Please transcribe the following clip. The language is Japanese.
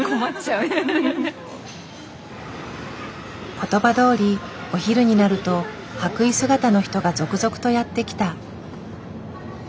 言葉どおりお昼になると白衣姿の人が続々とやって来た。